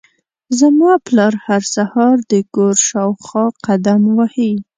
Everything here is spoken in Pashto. زما پلار هر سهار د کور شاوخوا قدم وهي.